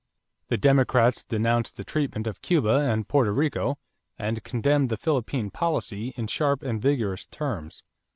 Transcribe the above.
The Democrats denounced the treatment of Cuba and Porto Rico and condemned the Philippine policy in sharp and vigorous terms.